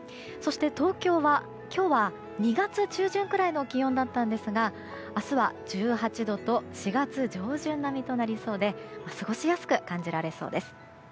そして、東京は今日は２月中旬ぐらいの気温だったんですが明日は、１８度と４月上旬並みとなりそうで過ごしやすく感じられそうです。